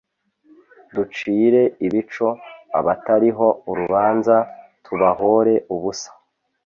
,Ducire ibico abatariho urubanza tubahore ubusa,